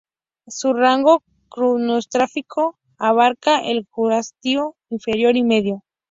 Su rango cronoestratigráfico abarcaba el Jurásico inferior y medio.